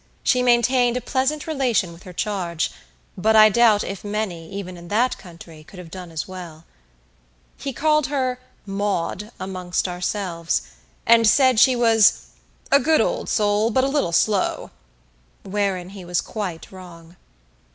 She maintained a pleasant relation with her charge, but I doubt if many, even in that country, could have done as well. He called her "Maud," amongst ourselves, and said she was "a good old soul, but a little slow"; wherein he was quite wrong.